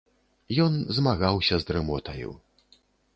Ён змагаўся з дрымотаю.